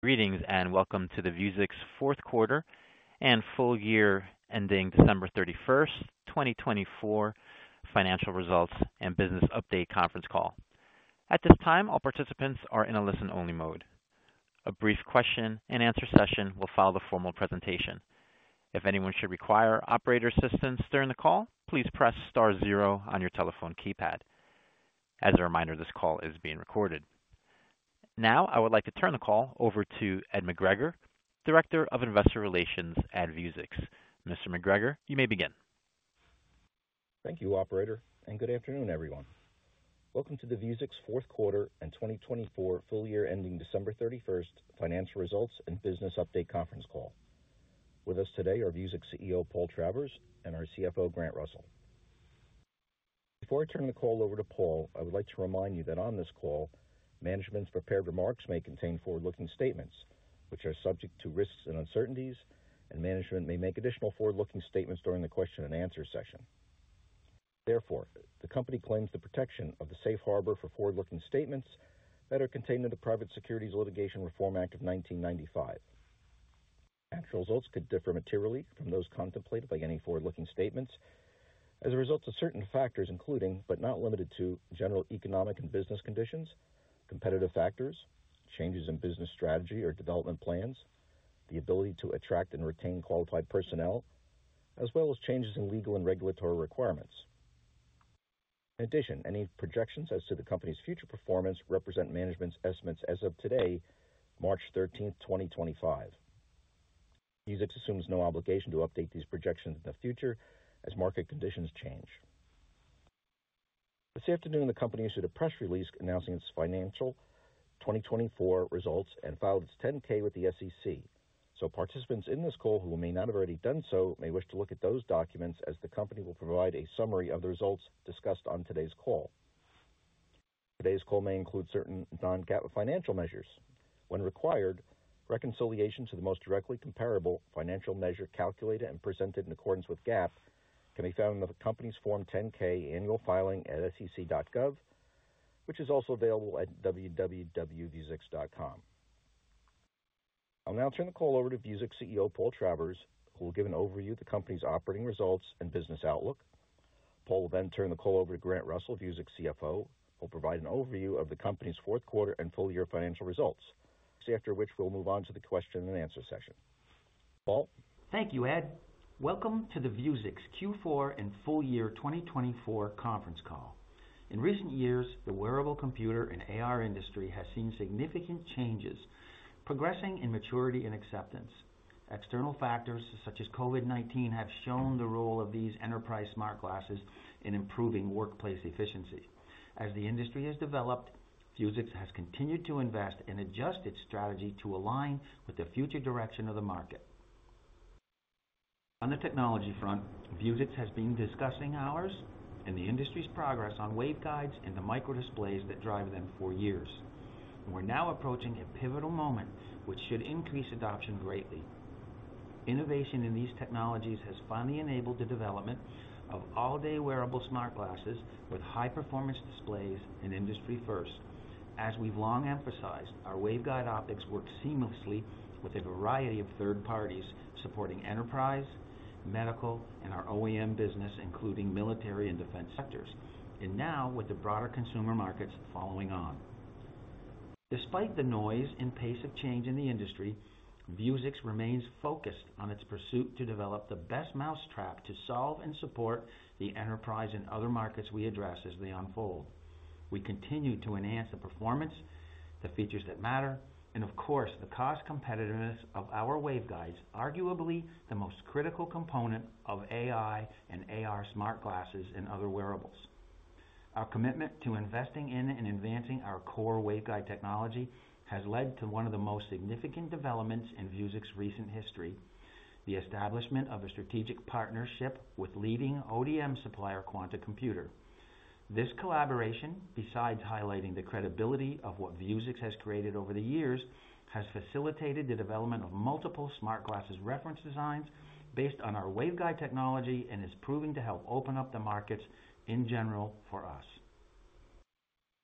Greetings and welcome to the Vuzix Fourth Quarter and Full Year Ending December 31st, 2024 Financial Results and Business Update Conference Call. At this time, all participants are in a listen-only mode. A brief question and answer session will follow the formal presentation. If anyone should require operator assistance during the call, please press star zero on your telephone keypad. As a reminder, this call is being recorded. Now, I would like to turn the call over to Ed McGregor, Director of Investor Relations at Vuzix. Mr. McGregor, you may begin. Thank you, Operator, and good afternoon, everyone. Welcome to the Vuzix fourth quarter and 2024 full year ending December 31st financial results and business update conference call. With us today are Vuzix CEO Paul Travers and our CFO Grant Russell. Before I turn the call over to Paul, I would like to remind you that on this call, management's prepared remarks may contain forward-looking statements which are subject to risks and uncertainties, and management may make additional forward-looking statements during the question-and-answer session. Therefore, the company claims the protection of the safe harbor for forward-looking statements that are contained in the Private Securities Litigation Reform Act of 1995. Actual results could differ materially from those contemplated by any forward-looking statements as a result of certain factors, including, but not limited to, general economic and business conditions, competitive factors, changes in business strategy or development plans, the ability to attract and retain qualified personnel, as well as changes in legal and regulatory requirements. In addition, any projections as to the company's future performance represent management's estimates as of today, March 13th, 2025. Vuzix assumes no obligation to update these projections in the future as market conditions change. This afternoon, the company issued a press release announcing its financial 2024 results and filed its 10-K with the SEC. Participants in this call who may not have already done so may wish to look at those documents as the company will provide a summary of the results discussed on today's call. Today's call may include certain non-GAAP financial measures. When required, reconciliation to the most directly comparable financial measure calculated and presented in accordance with GAAP can be found in the company's Form 10-K annual filing at sec.gov, which is also available at www.vuzix.com. I'll now turn the call over to Vuzix CEO Paul Travers, who will give an overview of the company's operating results and business outlook. Paul will then turn the call over to Grant Russell, Vuzix CFO, who will provide an overview of the company's fourth quarter and full year financial results, after which we'll move on to the question-and-answer session. Paul. Thank you, Ed. Welcome to the Vuzix Q4 and full year 2024 conference call. In recent years, the wearable computer and AR industry has seen significant changes, progressing in maturity and acceptance. External factors such as COVID-19 have shown the role of these enterprise smart glasses in improving workplace efficiency. As the industry has developed, Vuzix has continued to invest and adjust its strategy to align with the future direction of the market. On the technology front, Vuzix has been discussing ours and the industry's progress on waveguides and the micro-displays that drive them for years. We're now approaching a pivotal moment which should increase adoption greatly. Innovation in these technologies has finally enabled the development of all-day wearable smart glasses with high-performance displays and industry-first. As we've long emphasized, our waveguide optics work seamlessly with a variety of third parties supporting enterprise, medical, and our OEM business, including military and defense sectors, and now with the broader consumer markets following on. Despite the noise and pace of change in the industry, Vuzix remains focused on its pursuit to develop the best mousetrap to solve and support the enterprise and other markets we address as they unfold. We continue to enhance the performance, the features that matter, and of course, the cost competitiveness of our waveguides, arguably the most critical component of AI and AR smart glasses and other wearables. Our commitment to investing in and advancing our core waveguide technology has led to one of the most significant developments in Vuzix's recent history, the establishment of a strategic partnership with leading ODM supplier, Quanta Computer. This collaboration, besides highlighting the credibility of what Vuzix has created over the years, has facilitated the development of multiple smart glasses reference designs based on our waveguide technology and is proving to help open up the markets in general for us.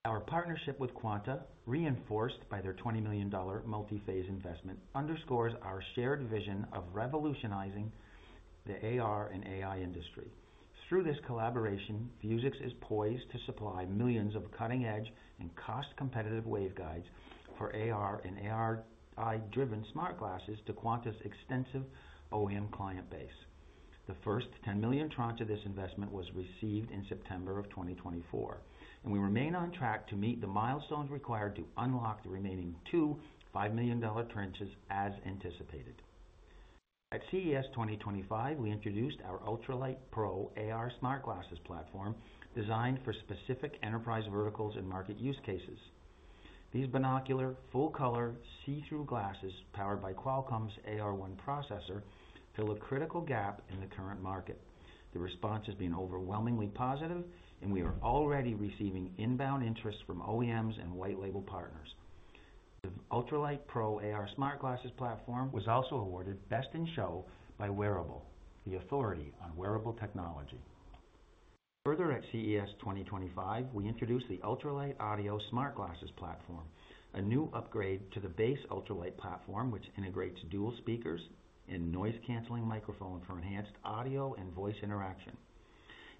Our partnership with Quanta, reinforced by their $20 million multi-phase investment, underscores our shared vision of revolutionizing the AR and AI industry. Through this collaboration, Vuzix is poised to supply millions of cutting-edge and cost-competitive waveguides for AR and AI-driven smart glasses to Quanta's extensive OEM client base. The first $10 million tranche of this investment was received in September of 2024, and we remain on track to meet the milestones required to unlock the remaining two $5 million tranches as anticipated. At CES 2025, we introduced our Ultralite Pro AR smart glasses platform designed for specific enterprise verticals and market use cases. These binocular, full-color see-through glasses powered by Qualcomm's AR1 processor fill a critical gap in the current market. The response has been overwhelmingly positive, and we are already receiving inbound interest from OEMs and white-label partners. The Ultralite Pro AR smart glasses platform was also awarded Best in Show by Wearable, the authority on wearable technology. Further, at CES 2025, we introduced the Ultralite Audio Smart Glasses platform, a new upgrade to the base Ultralite platform which integrates dual speakers and noise-canceling microphone for enhanced audio and voice interaction.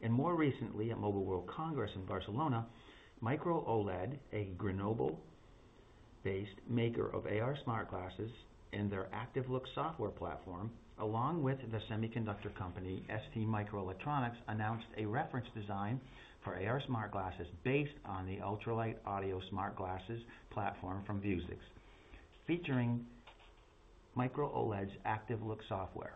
More recently, at Mobile World Congress in Barcelona, Microoled, a Grenoble-based maker of AR smart glasses and their ActiveLook software platform, along with the semiconductor company STMicroelectronics, announced a reference design for AR smart glasses based on the Ultralite Audio Smart Glasses platform from Vuzix, featuring Microoled's ActiveLook software.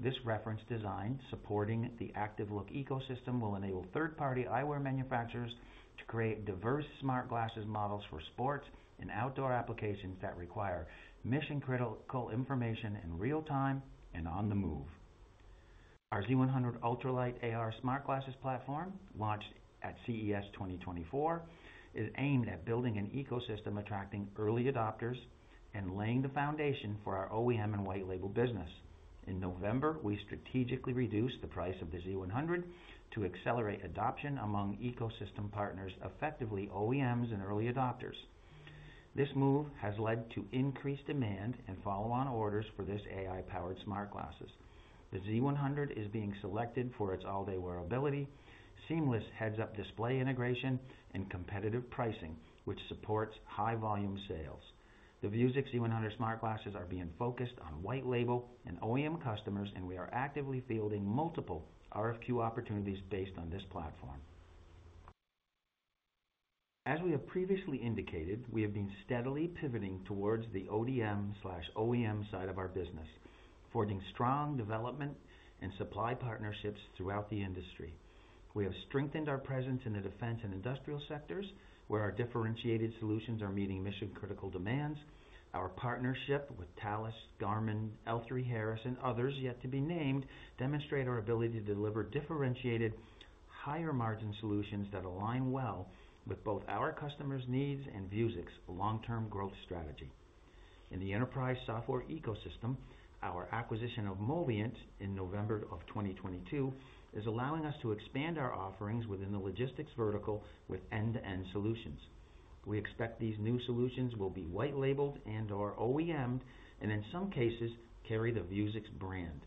This reference design, supporting the ActiveLook ecosystem, will enable third-party eyewear manufacturers to create diverse smart glasses models for sports and outdoor applications that require mission-critical information in real time and on the move. Our Z100 Ultralite AR smart glasses platform, launched at CES 2024, is aimed at building an ecosystem attracting early adopters and laying the foundation for our OEM and white-label business. In November, we strategically reduced the price of the Z100 to accelerate adoption among ecosystem partners, effectively OEMs and early adopters. This move has led to increased demand and follow-on orders for this AI-powered smart glasses. The Z100 is being selected for its all-day wearability, seamless heads-up display integration, and competitive pricing, which supports high-volume sales. The Vuzix Z100 smart glasses are being focused on white-label and OEM customers, and we are actively fielding multiple RFQ opportunities based on this platform. As we have previously indicated, we have been steadily pivoting towards the ODM/OEM side of our business, forging strong development and supply partnerships throughout the industry. We have strengthened our presence in the defense and industrial sectors, where our differentiated solutions are meeting mission-critical demands. Our partnership with Thales, Garmin, L3Harris, and others yet to be named demonstrates our ability to deliver differentiated, higher-margin solutions that align well with both our customer's needs and Vuzix's long-term growth strategy. In the enterprise software ecosystem, our acquisition of Moviynt in November of 2022 is allowing us to expand our offerings within the logistics vertical with end-to-end solutions. We expect these new solutions will be white-labeled and/or OEMed and, in some cases, carry the Vuzix brand.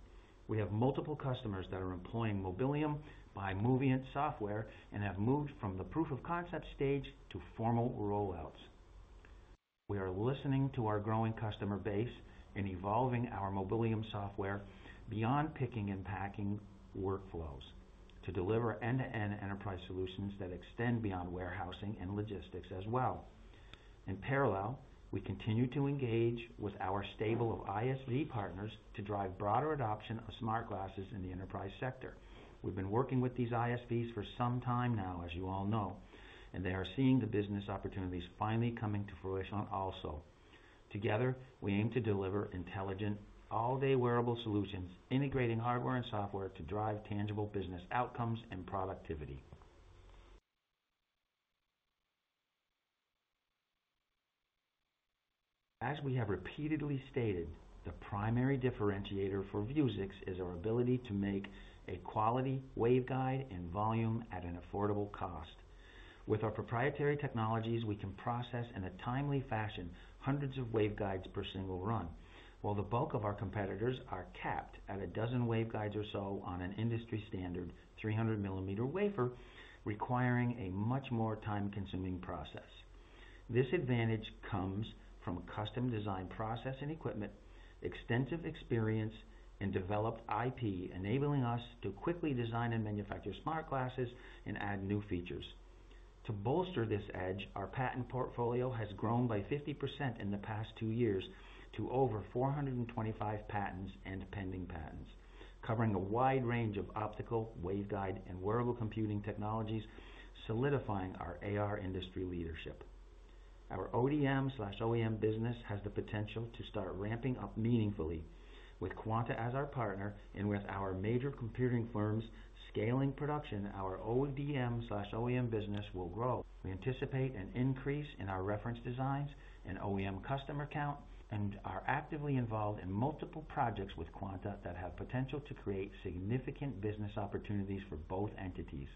We have multiple customers that are employing Mobilium by Moviynt software and have moved from the proof-of-concept stage to formal rollouts. We are listening to our growing customer base and evolving our Mobilium software beyond picking and packing workflows to deliver end-to-end enterprise solutions that extend beyond warehousing and logistics as well. In parallel, we continue to engage with our stable of ISV partners to drive broader adoption of smart glasses in the enterprise sector. We've been working with these ISVs for some time now, as you all know, and they are seeing the business opportunities finally coming to fruition also. Together, we aim to deliver intelligent, all-day wearable solutions integrating hardware and software to drive tangible business outcomes and productivity. As we have repeatedly stated, the primary differentiator for Vuzix is our ability to make a quality waveguide and volume at an affordable cost. With our proprietary technologies, we can process in a timely fashion hundreds of waveguides per single run, while the bulk of our competitors are capped at a dozen waveguides or so on an industry-standard 300 mm wafer, requiring a much more time-consuming process. This advantage comes from custom-designed processing equipment, extensive experience, and developed IP, enabling us to quickly design and manufacture smart glasses and add new features. To bolster this edge, our patent portfolio has grown by 50% in the past two years to over 425 patents and pending patents, covering a wide range of optical, waveguide, and wearable computing technologies, solidifying our AR industry leadership. Our ODM/OEM business has the potential to start ramping up meaningfully. With Quanta as our partner and with our major computing firms scaling production, our ODM/OEM business will grow. We anticipate an increase in our reference designs and OEM customer count and are actively involved in multiple projects with Quanta that have potential to create significant business opportunities for both entities.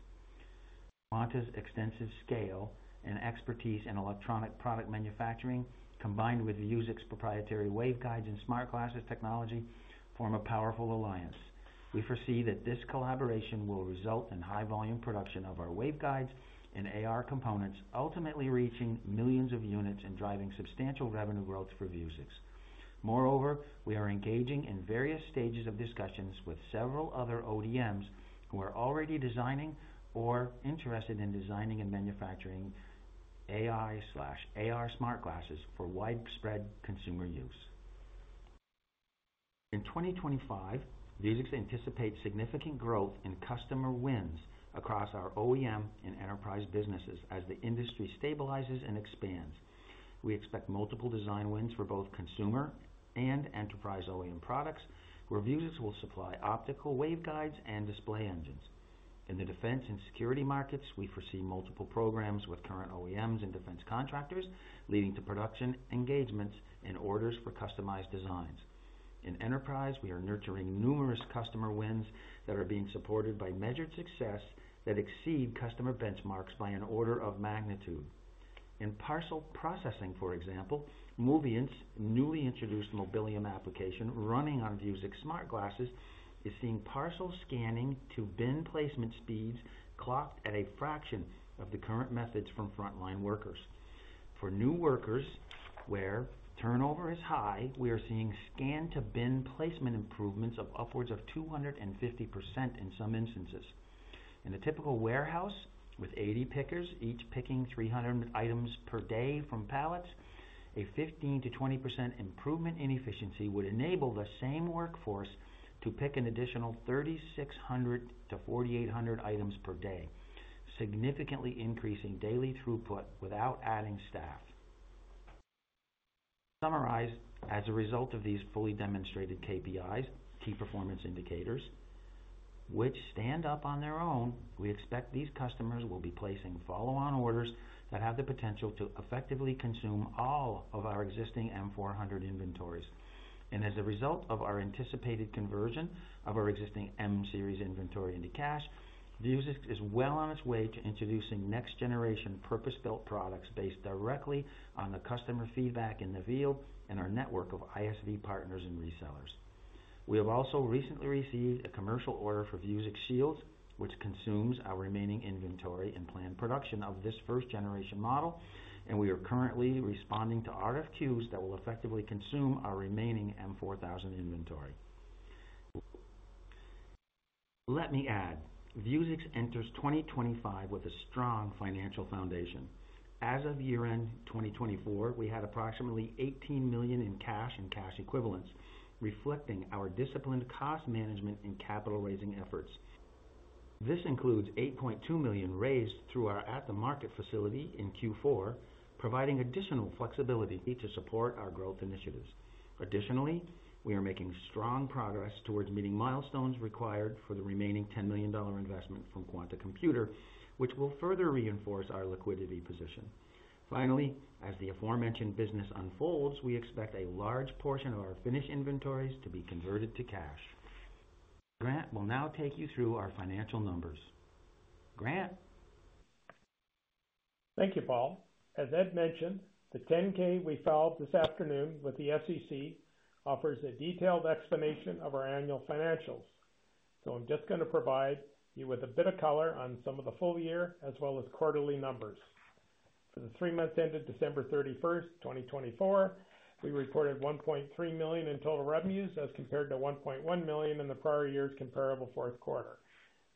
Quanta's extensive scale and expertise in electronic product manufacturing, combined with Vuzix's proprietary waveguides and smart glasses technology, form a powerful alliance. We foresee that this collaboration will result in high-volume production of our waveguides and AR components, ultimately reaching millions of units and driving substantial revenue growth for Vuzix. Moreover, we are engaging in various stages of discussions with several other ODMs who are already designing or interested in designing and manufacturing AI/AR smart glasses for widespread consumer use. In 2025, Vuzix anticipates significant growth in customer wins across our OEM and enterprise businesses as the industry stabilizes and expands. We expect multiple design wins for both consumer and enterprise OEM products, where Vuzix will supply optical waveguides and display engines. In the defense and security markets, we foresee multiple programs with current OEMs and defense contractors, leading to production engagements and orders for customized designs. In enterprise, we are nurturing numerous customer wins that are being supported by measured success that exceed customer benchmarks by an order of magnitude. In parcel processing, for example, Moviynt's newly introduced Mobilium application running on Vuzix smart glasses is seeing parcel scanning to bin placement speeds clocked at a fraction of the current methods from frontline workers. For new workers where turnover is high, we are seeing scan-to-bin placement improvements of upwards of 250% in some instances. In a typical warehouse with 80 pickers, each picking 300 items per day from pallets, a 15-20% improvement in efficiency would enable the same workforce to pick an additional 3,600-4,800 items per day, significantly increasing daily throughput without adding staff. Summarized, as a result of these fully demonstrated KPIs, key performance indicators, which stand up on their own, we expect these customers will be placing follow-on orders that have the potential to effectively consume all of our existing M400 inventories. As a result of our anticipated conversion of our existing M-Series inventory into cash, Vuzix is well on its way to introducing next-generation purpose-built products based directly on the customer feedback in the field and our network of ISV partners and resellers. We have also recently received a commercial order for Vuzix Shields, which consumes our remaining inventory and planned production of this first-generation model, and we are currently responding to RFQs that will effectively consume our remaining M4000 inventory. Let me add, Vuzix enters 2025 with a strong financial foundation. As of year end 2024, we had approximately $18 million in cash and cash equivalents, reflecting our disciplined cost management and capital-raising efforts. This includes $8.2 million raised through our at-the-market facility in Q4, providing additional flexibility to support our growth initiatives. Additionally, we are making strong progress towards meeting milestones required for the remaining $10 million investment from Quanta Computer, which will further reinforce our liquidity position. Finally, as the aforementioned business unfolds, we expect a large portion of our finished inventories to be converted to cash. Grant will now take you through our financial numbers. Grant. Thank you, Paul. As Ed mentioned, the 10-K we filed this afternoon with the SEC offers a detailed explanation of our annual financials. I'm just going to provide you with a bit of color on some of the full year as well as quarterly numbers. For the three months ended December 31st, 2024, we reported $1.3 million in total revenues as compared to $1.1 million in the prior year's comparable fourth quarter.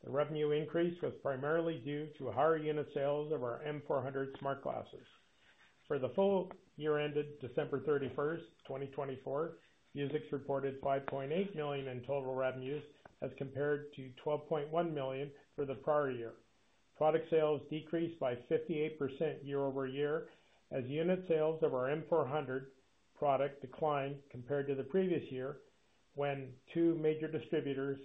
The revenue increase was primarily due to higher unit sales of our M400 smart glasses. For the full year ended December 31, 2024, Vuzix reported $5.8 million in total revenues as compared to $12.1 million for the prior year. Product sales decreased by 58% year-over-year as unit sales of our M400 product declined compared to the previous year when two major distributors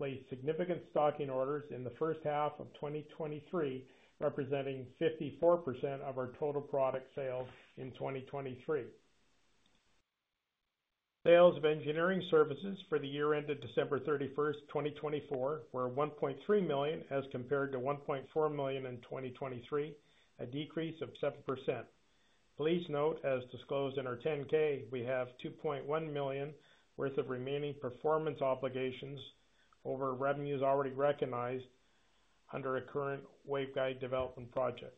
placed significant stocking orders in the first half of 2023, representing 54% of our total product sales in 2023. Sales of engineering services for the year ended December 31, 2024, were $1.3 million as compared to $1.4 million in 2023, a decrease of 7%. Please note, as disclosed in our 10-K, we have $2.1 million worth of remaining performance obligations over revenues already recognized under a current waveguide development project.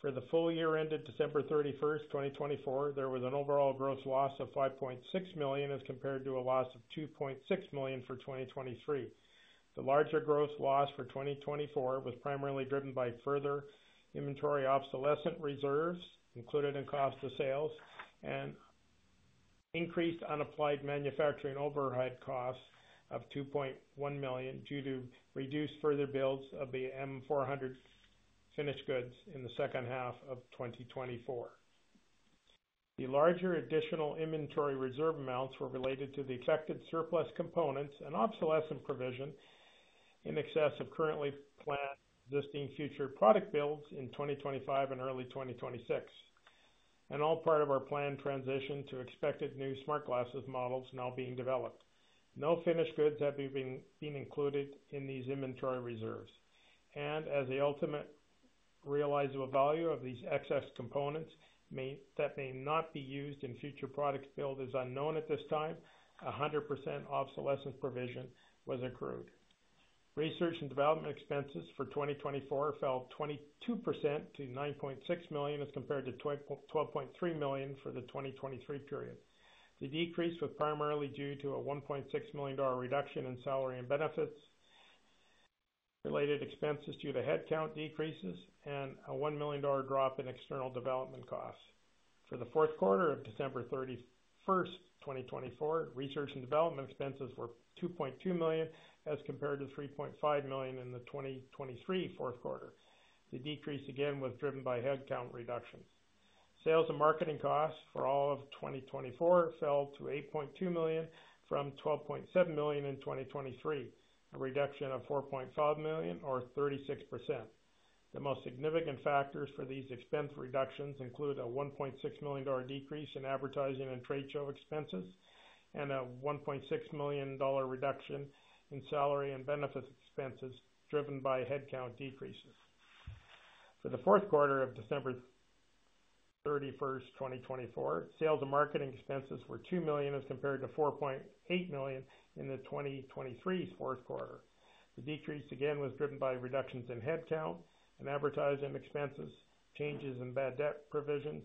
For the full year ended December 31, 2024, there was an overall gross loss of $5.6 million as compared to a loss of $2.6 million for 2023. The larger gross loss for 2024 was primarily driven by further inventory obsolescence reserves included in cost of sales and increased unapplied manufacturing overhead costs of $2.1 million due to reduced further builds of the M400 finished goods in the second half of 2024. The larger additional inventory reserve amounts were related to the affected surplus components and obsolescence provision in excess of currently planned existing future product builds in 2025 and early 2026, and all part of our planned transition to expected new smart glasses models now being developed. No finished goods have been included in these inventory reserves. As the ultimate realizable value of these excess components that may not be used in future product build is unknown at this time, 100% obsolescence provision was accrued. Research and development expenses for 2024 fell 22% to $9.6 million as compared to $12.3 million for the 2023 period. The decrease was primarily due to a $1.6 million reduction in salary and benefits related expenses due to headcount decreases and a $1 million drop in external development costs. For the fourth quarter of December 31st, 2024, research and development expenses were $2.2 million as compared to $3.5 million in the 2023 fourth quarter. The decrease again was driven by headcount reductions. Sales and marketing costs for all of 2024 fell to $8.2 million from $12.7 million in 2023, a reduction of $4.5 million or 36%. The most significant factors for these expense reductions include a $1.6 million decrease in advertising and trade show expenses and a $1.6 million reduction in salary and benefits expenses driven by headcount decreases. For the fourth quarter of December 31st, 2024, sales and marketing expenses were $2 million as compared to $4.8 million in the 2023 fourth quarter. The decrease again was driven by reductions in headcount and advertising expenses, changes in bad debt provisions,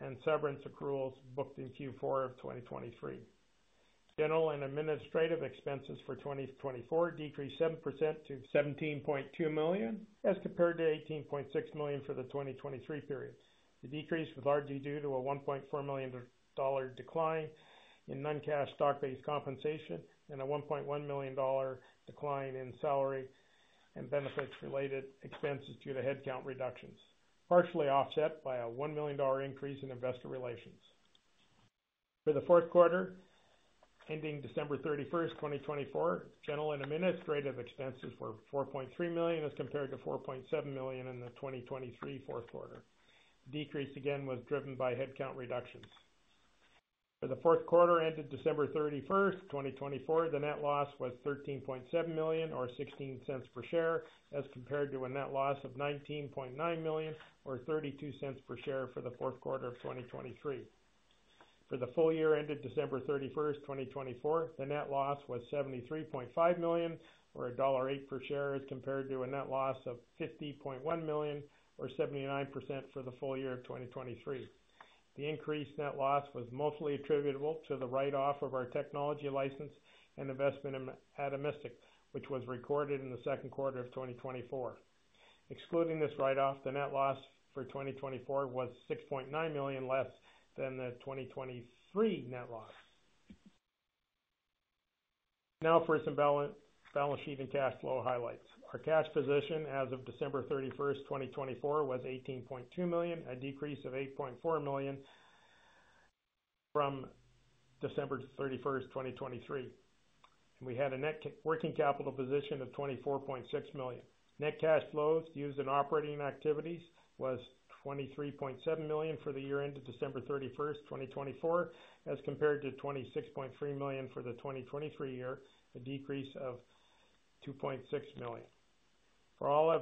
and severance accruals booked in Q4 of 2023. General and administrative expenses for 2024 decreased 7% to $17.2 million as compared to $18.6 million for the 2023 period. The decrease was largely due to a $1.4 million decline in non-cash stock-based compensation and a $1.1 million decline in salary and benefits related expenses due to headcount reductions, partially offset by a $1 million increase in investor relations. For the fourth quarter ending December 31st, 2024, general and administrative expenses were $4.3 million as compared to $4.7 million in the 2023 fourth quarter. The decrease again was driven by headcount reductions. For the fourth quarter ended December 31st, 2024, the net loss was $13.7 million or $0.16 per share as compared to a net loss of $19.9 million or $0.32 per share for the fourth quarter of 2023. For the full year ended December 31st, 2024, the net loss was $73.5 million or $1.08 per share as compared to a net loss of $50.1 million or $0.79 per share for the full year of 2023. The increased net loss was mostly attributable to the write-off of our technology license and investment in Atomistic, which was recorded in the second quarter of 2024. Excluding this write-off, the net loss for 2024 was $6.9 million less than the 2023 net loss. Now for some balance sheet and cash flow highlights. Our cash position as of December 31st, 2024, was $18.2 million, a decrease of $8.4 million from December 31st, 2023. We had a net working capital position of $24.6 million. Net cash flows used in operating activities was $23.7 million for the year-ended December 31st, 2024, as compared to $26.3 million for the 2023 year, a decrease of $2.6 million. For all of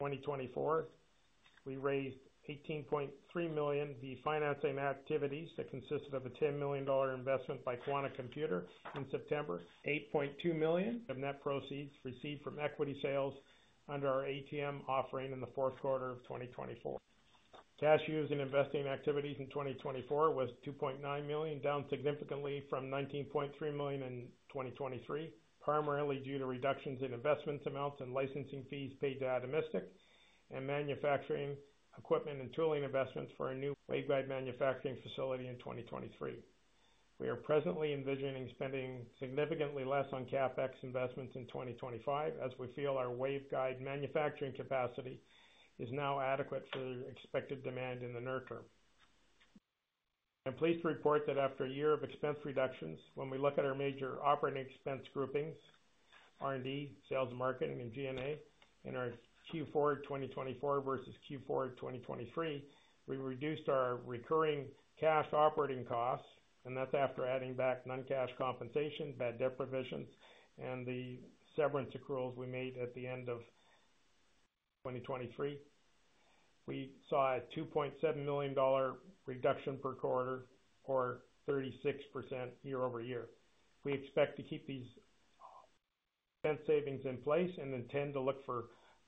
2024, we raised $18.3 million via financing activities that consisted of a $10 million investment by Quanta Computer in September, $8.2 million of net proceeds received from equity sales under our ATM offering in the fourth quarter of 2024. Cash used in investing activities in 2024 was $2.9 million, down significantly from $19.3 million in 2023, primarily due to reductions in investment amounts and licensing fees paid to Atomistic and manufacturing equipment and tooling investments for a new waveguide manufacturing facility in 2023. We are presently envisioning spending significantly less on CapEx investments in 2025, as we feel our waveguide manufacturing capacity is now adequate for expected demand in the near term. I'm pleased to report that after a year of expense reductions, when we look at our major operating expense groupings, R&D, sales and marketing, and G&A, in our Q4 of 2024 versus Q4 of 2023, we reduced our recurring cash operating costs, and that's after adding back non-cash compensation, bad debt provisions, and the severance accruals we made at the end of 2023. We saw a $2.7 million reduction per quarter, or 36% year-over-year. We expect to keep these expense savings in place and intend to look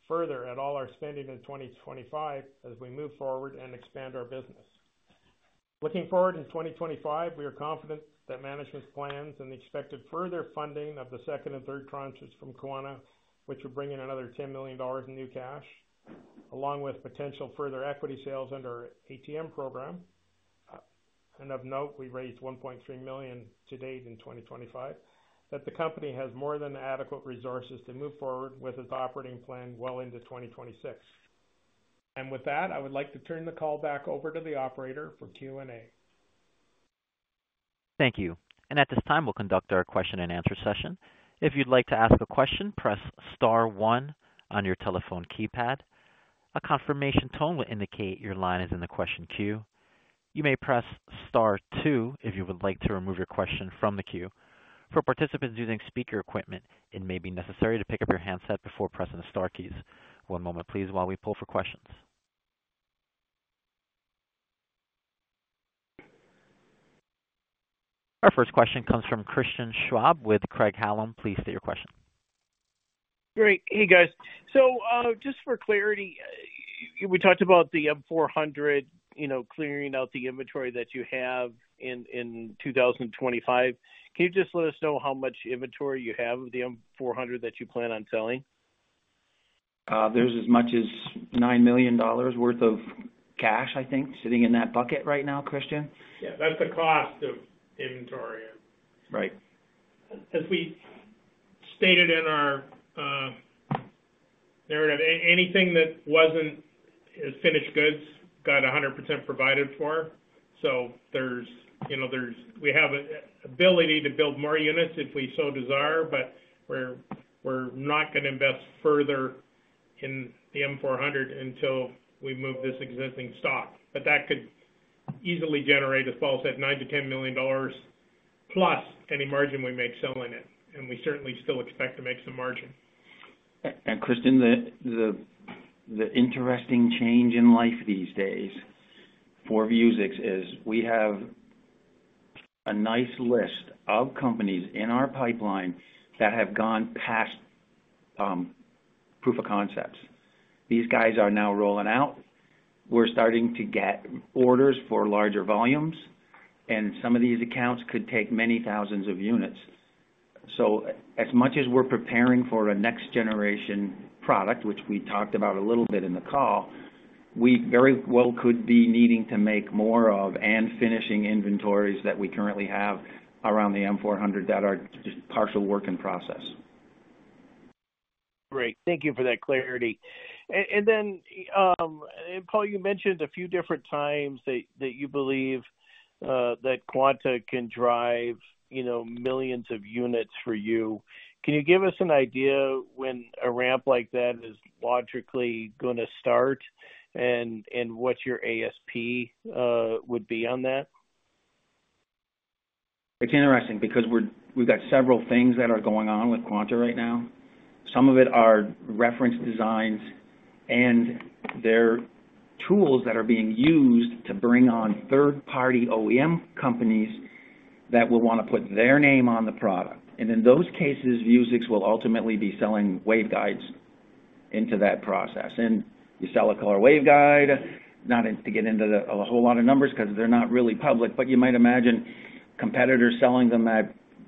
further at all our spending in 2025 as we move forward and expand our business. Looking forward in 2025, we are confident that management's plans and the expected further funding of the second and third tranches from Quanta, which will bring in another $10 million in new cash, along with potential further equity sales under our ATM program, and of note, we raised $1.3 million to date in 2025, that the company has more than adequate resources to move forward with its operating plan well into 2026 and with that, I would like to turn the call back over to the operator for Q&A. Thank you. At this time, we'll conduct our question-and-answer session. If you'd like to ask a question, press star one on your telephone keypad. A confirmation tone will indicate your line is in the question queue. You may press star two if you would like to remove your question from the queue. For participants using speaker equipment, it may be necessary to pick up your handset before pressing the Star keys. One moment, please, while we pull for questions. Our first question comes from Christian Schwab with Craig-Hallum. Please state your question. Great. Hey, guys. Just for clarity, we talked about the M400, clearing out the inventory that you have in 2025. Can you just let us know how much inventory you have of the M400 that you plan on selling? There is as much as $9 million worth of cash, I think, sitting in that bucket right now, Christian. Yeah, that is the cost of inventory. Right. As we stated in our narrative, anything that was not finished goods got 100% provided for. We have the ability to build more units if we so desire, but we are not going to invest further in the M400 until we move this existing stock. That could easily generate, as Paul said, $9-$10 million plus any margin we make selling it. We certainly still expect to make some margin. Christian, the interesting change in life these days for Vuzix is we have a nice list of companies in our pipeline that have gone past proof of concepts. These guys are now rolling out. We're starting to get orders for larger volumes, and some of these accounts could take many thousands of units. As much as we're preparing for a next-generation product, which we talked about a little bit in the call, we very well could be needing to make more of and finishing inventories that we currently have around the M400 that are just partial work in process. Great. Thank you for that clarity. Paul, you mentioned a few different times that you believe that Quanta can drive millions of units for you. Can you give us an idea when a ramp like that is logically going to start and what your ASP would be on that? It's interesting because we've got several things that are going on with Quanta right now. Some of it are reference designs and their tools that are being used to bring on third-party OEM companies that will want to put their name on the product. In those cases, Vuzix will ultimately be selling waveguides into that process. You sell a color waveguide, not to get into a whole lot of numbers because they're not really public, but you might imagine competitors selling them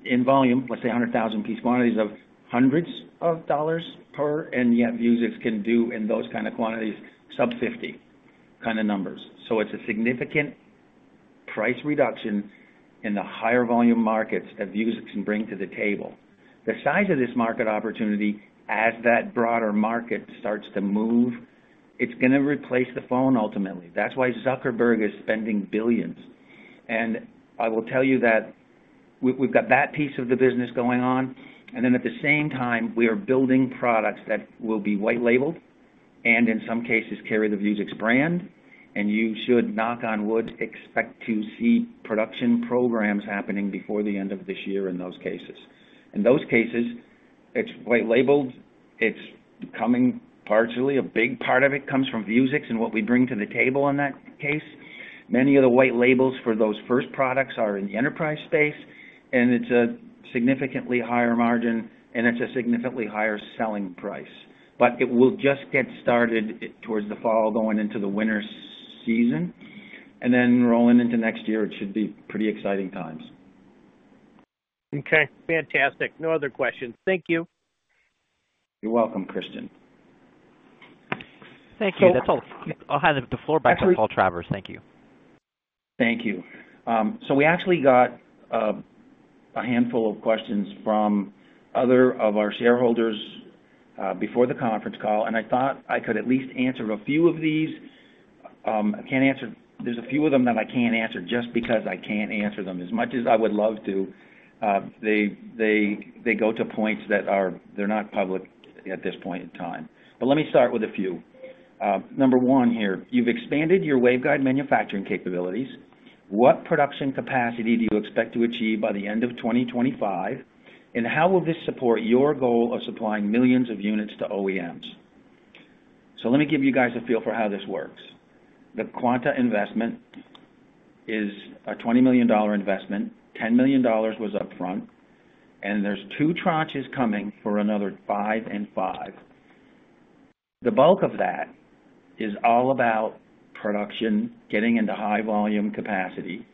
in volume, let's say 100,000-piece quantities of hundreds of dollars per, and yet Vuzix can do in those kinds of quantities sub-50 kind of numbers. It is a significant price reduction in the higher volume markets that Vuzix can bring to the table. The size of this market opportunity, as that broader market starts to move, it's going to replace the phone ultimately. That's why Zuckerberg is spending billions. I will tell you that we've got that piece of the business going on. At the same time, we are building products that will be white-labeled and in some cases carry the Vuzix brand. You should, knock on wood, expect to see production programs happening before the end of this year in those cases. In those cases, it's white-labeled. It's coming partially. A big part of it comes from Vuzix and what we bring to the table in that case. Many of the white labels for those first products are in the enterprise space, and it's a significantly higher margin, and it's a significantly higher selling price. It will just get started towards the fall going into the winter season. Rolling into next year, it should be pretty exciting times. Okay. Fantastic. No other questions. Thank you. You're welcome, Christian. Thank you. I'll hand the floor back to Paul Travers. Thank you. Thank you. We actually got a handful of questions from other of our shareholders before the conference call, and I thought I could at least answer a few of these. There's a few of them that I can't answer just because I can't answer them. As much as I would love to, they go to points that are not public at this point in time. Let me start with a few. Number one here, you've expanded your waveguide manufacturing capabilities. What production capacity do you expect to achieve by the end of 2025? And how will this support your goal of supplying millions of units to OEMs? Let me give you guys a feel for how this works. The Quanta investment is a $20 million investment. $10 million was upfront. There's two tranches coming for another five and five. The bulk of that is all about production, getting into high volume capacity.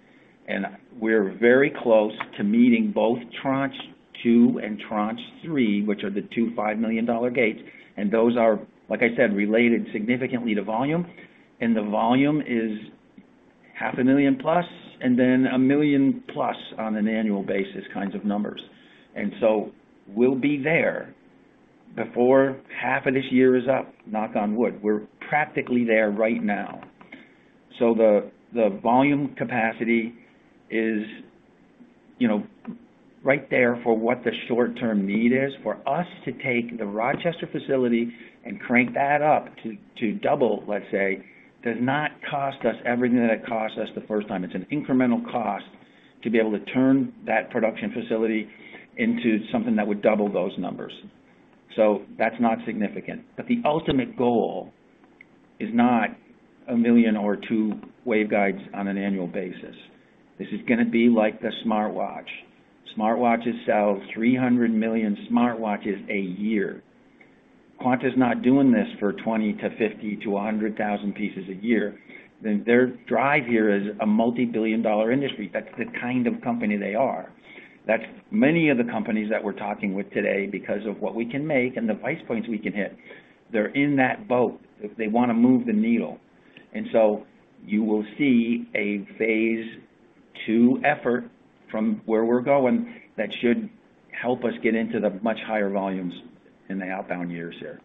We're very close to meeting both tranche two and tranche three, which are the two $5 million gates. Those are, like I said, related significantly to volume. The volume is 500,000+ and then 1,000,000+ on an annual basis kinds of numbers. We'll be there before half of this year is up. Knock on wood. We're practically there right now. The volume capacity is right there for what the short-term need is. For us to take the Rochester facility and crank that up to double, let's say, does not cost us everything that it costs us the first time. It's an incremental cost to be able to turn that production facility into something that would double those numbers. That's not significant. The ultimate goal is not a million or two waveguides on an annual basis. This is going to be like the smartwatch. Smartwatches sell 300 million smartwatches a year. Quanta is not doing this for 20-50-100,000 pieces a year. Their drive here is a multi-billion dollar industry. That's the kind of company they are. That's many of the companies that we're talking with today because of what we can make and the price points we can hit. They're in that boat. They want to move the needle. You will see a phase two effort from where we're going that should help us get into the much higher volumes in the outbound years here.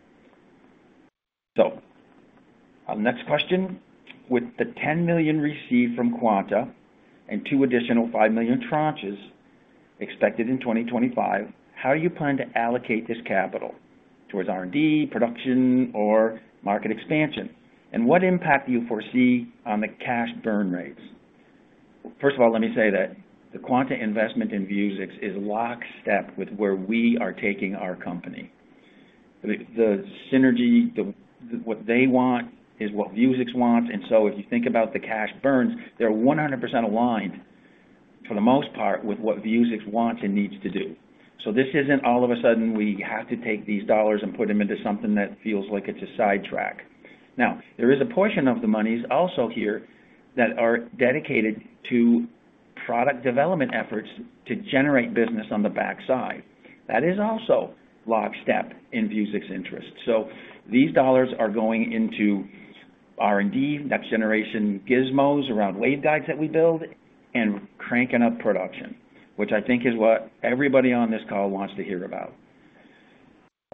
Next question. With the $10 million received from Quanta and two additional $5 million tranches expected in 2025, how do you plan to allocate this capital towards R&D, production, or market expansion? What impact do you foresee on the cash burn rates? First of all, let me say that the Quanta investment in Vuzix is lockstep with where we are taking our company. The synergy, what they want, is what Vuzix wants. If you think about the cash burns, they are 100% aligned for the most part with what Vuzix wants and needs to do. This is not all of a sudden we have to take these dollars and put them into something that feels like it is a sidetrack. There is a portion of the monies also here that are dedicated to product development efforts to generate business on the backside. That is also lockstep in Vuzix's interest. These dollars are going into R&D, next-generation gizmos around waveguides that we build, and cranking up production, which I think is what everybody on this call wants to hear about.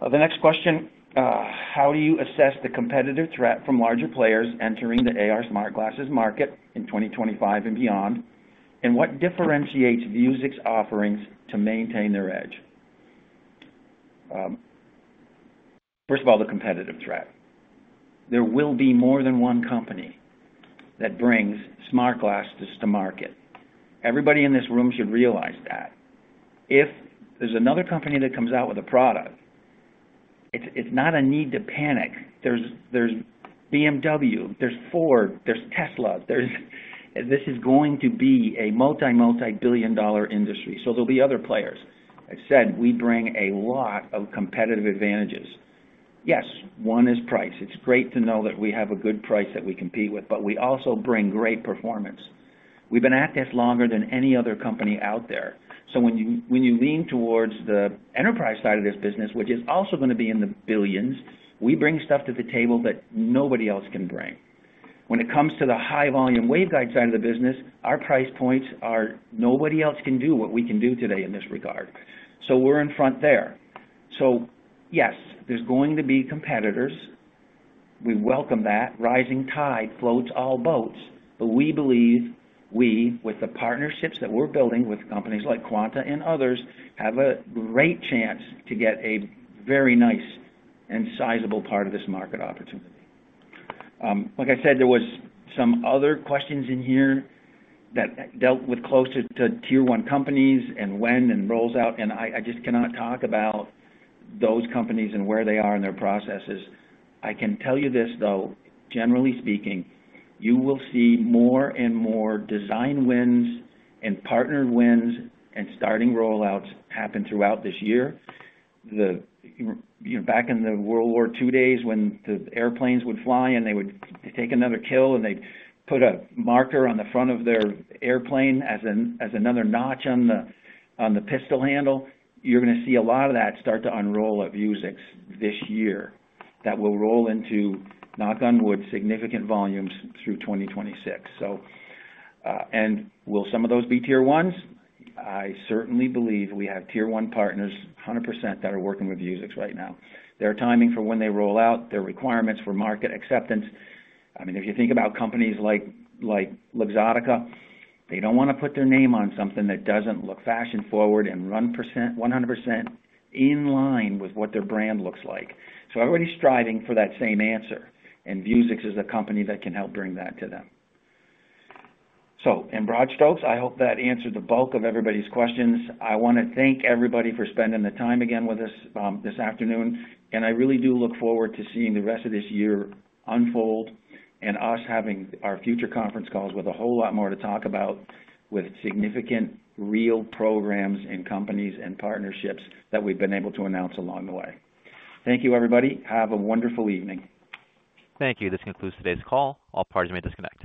The next question, how do you assess the competitive threat from larger players entering the AR smart glasses market in 2025 and beyond? And what differentiates Vuzix's offerings to maintain their edge? First of all, the competitive threat. There will be more than one company that brings smart glasses to market. Everybody in this room should realize that. If there's another company that comes out with a product, it's not a need to panic. There's BMW, there's Ford, there's Tesla. This is going to be a multi-multi-billion dollar industry. There will be other players. I said we bring a lot of competitive advantages. Yes, one is price. It's great to know that we have a good price that we compete with, but we also bring great performance. We've been at this longer than any other company out there. When you lean towards the enterprise side of this business, which is also going to be in the billions, we bring stuff to the table that nobody else can bring. When it comes to the high-volume waveguide side of the business, our price points are nobody else can do what we can do today in this regard. We're in front there. Yes, there's going to be competitors. We welcome that. Rising tide floats all boats. We believe we, with the partnerships that we're building with companies like Quanta and others, have a great chance to get a very nice and sizable part of this market opportunity. Like I said, there were some other questions in here that dealt with closer to tier one companies and when and roles out. I just cannot talk about those companies and where they are in their processes. I can tell you this, though, generally speaking, you will see more and more design wins and partner wins and starting rollouts happen throughout this year. Back in the World War II days when the airplanes would fly and they would take another kill and they'd put a marker on the front of their airplane as another notch on the pistol handle, you're going to see a lot of that start to unroll at Vuzix this year that will roll into, knock on wood, significant volumes through 2026. Will some of those be tier ones? I certainly believe we have tier one partners 100% that are working with Vuzix right now. Their timing for when they roll out, their requirements for market acceptance. I mean, if you think about companies like Luxottica, they do not want to put their name on something that does not look fashion-forward and run 100% in line with what their brand looks like. Everybody is striving for that same answer. Vuzix is a company that can help bring that to them. In broad strokes, I hope that answered the bulk of everybody's questions. I want to thank everybody for spending the time again with us this afternoon. I really do look forward to seeing the rest of this year unfold and us having our future conference calls with a whole lot more to talk about with significant real programs and companies and partnerships that we have been able to announce along the way. Thank you, everybody. Have a wonderful evening. Thank you. This concludes today's call. All parties may disconnect.